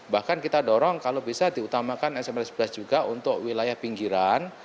bahkan kita dorong kalau bisa diutamakan smr sebelas juga untuk wilayah pinggiran